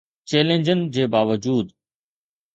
چئلينجن جي باوجود